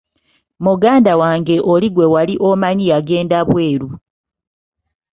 Muganda wange oli gwe wali omanyi yagenda bweru.